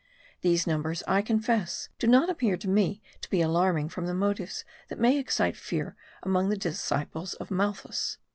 These numbers, I confess, do not appear to me to be alarming from the motives that may excite fear among the disciples of Malthus.